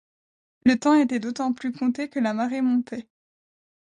Le temps était d'autant plus compté que la marée montait.